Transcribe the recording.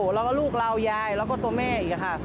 แล้วก็ลูกเรายายแล้วก็ตัวแม่อีกค่ะ